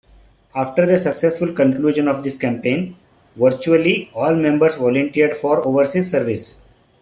After the successful conclusion of this campaign, virtually all members volunteered for overseas service.